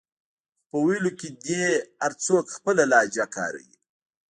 خو په ویلو کې دې هر څوک خپله لهجه کاروي